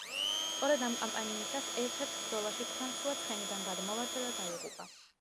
სწორედ ამ კამპანიისას, ერთ-ერთ ბრძოლაში ფრანსუა ცხენიდან გადმოვარდა და დაიღუპა.